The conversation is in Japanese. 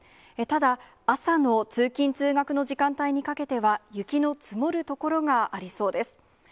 ただ、朝の通勤・通学の時間帯にかけては、雪の積もる所がありそうです。